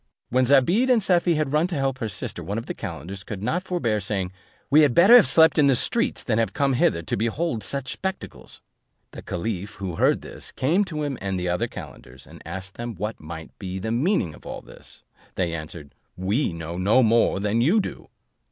When Zobeide and Safie had run to help their sister, one of the calenders could not forbear saying, "We had better have slept in the streets than have come hither to behold such spectacles." The caliph, who heard this, came to him and the other calenders, and asked them what might be the meaning of all this? They answered, "We know no more than you do."